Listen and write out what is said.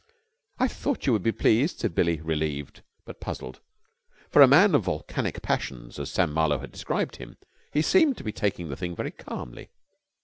"I thought you would be pleased," said Billie, relieved, but puzzled. For a man of volcanic passions, as Sam Marlowe had described him, he seemed to be taking the thing very calmly.